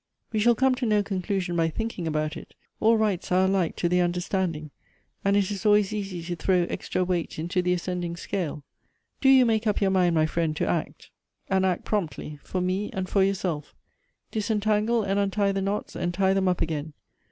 We shall come to no conclusion by thinking about it. All rights are alike to the understanding, and it is always easy to throw extra weight into the ascending scale. Do you make up your mind, my friend, to act, and act promptly, for me and for yourself. Disentangle and .untie the knots, and tie them up again.